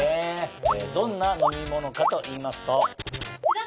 どんな飲み物かといいますと。